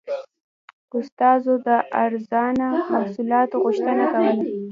استازو د ارزانه محصولاتو غوښتنه کوله.